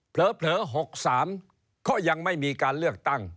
เผลอ๖๓ก็ยังไม่มีการเลือกตั้ง